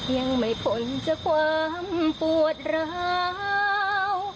ยังไม่พ้นจากความปวดร้าว